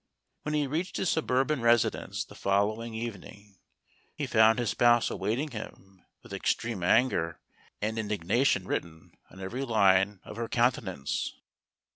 When he reached his suburban residence the fol¬ lowing evening, he found his spouse awaiting him with extreme anger and indignation written on every line of her countenance.